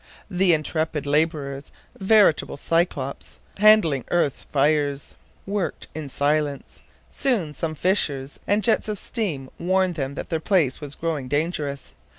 The intrepid la borers, veritable Cyclops handling Earth's fires, worked in silence; soon some fissures and jets of steam warned them that their place was growing dangerous.